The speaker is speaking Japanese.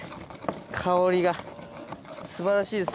香りが素晴らしいです